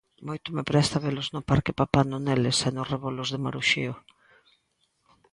Moito me presta velos no parque papando neles e nos rebolos de Maruxío.